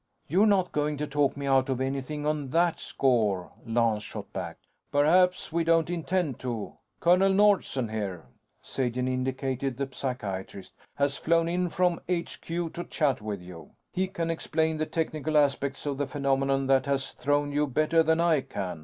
"You're not going to talk me out of anything on that score," Lance shot back. "Perhaps, we don't intend to. Colonel Nordsen, here," Sagen indicated the psychiatrist, "has flown in from HQ to chat with you. He can explain the technical aspects of the phenomenon that has thrown you better than I can.